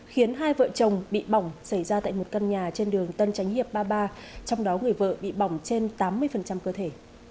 khiến hai vợ chồng bị bỏng xảy ra tại một căn nhà trên đường tân tránh hiệp ba mươi ba trong đó người vợ bị bỏng trên tám mươi cơ thể